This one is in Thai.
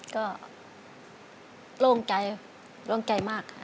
ก็โล่งใจมาก